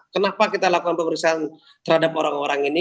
kenapa kita lakukan pemeriksaan terhadap orang orang ini